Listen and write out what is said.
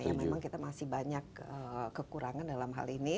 ya memang kita masih banyak kekurangan dalam hal ini